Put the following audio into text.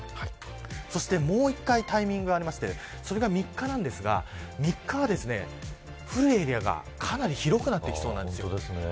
そして、もう一回タイミングがありましてそれが、３日なんですが３日は、降るエリアがかなり広くなってきそうなんです。